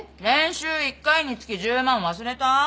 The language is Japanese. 練習１回につき１０万忘れた？